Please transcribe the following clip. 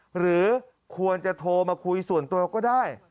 หรือควรจะโทรมาคุยส่วนตัวก็ได้